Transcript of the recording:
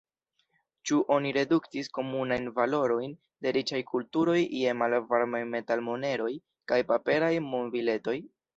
Ĉu oni reduktis komunajn valorojn de riĉaj kulturoj je malvarmaj metalmoneroj kaj paperaj monbiletoj?